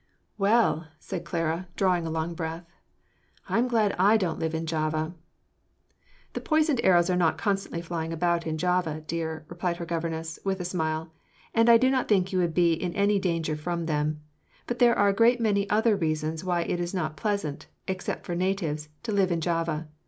"Well," said Clara, drawing a long breath, "I'm glad that I don't live in Java." "The poisoned arrows are not constantly flying about in Java, dear," replied her governess, with a smile, "and I do not think you would be in any danger from them; but there are a great many other reasons why it is not pleasant, except for natives, to live in Java.